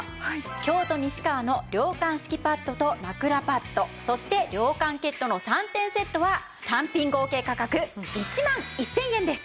京都西川の涼感敷きパッドと枕パッドそして涼感ケットの３点セットは単品合計価格１万１０００円です！